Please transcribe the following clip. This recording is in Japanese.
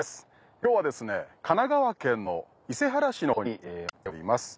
今日は神奈川県の伊勢原市のほうに来ております。